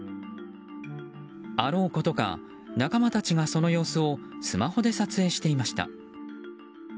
あろうことか、仲間たちがその様子をスマホで撮影していました。